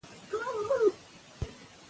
که ژبه وي ویره نه راځي.